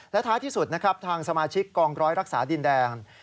และท้ายที่สุดนะครับทางสมาชิกกองร้อยรักษาดินแดง